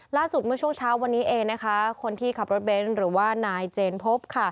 เมื่อช่วงเช้าวันนี้เองนะคะคนที่ขับรถเบนท์หรือว่านายเจนพบ